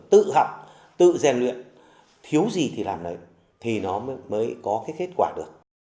tự học tự rèn luyện thiếu gì thì làm đấy thì nó mới có cái kết quả được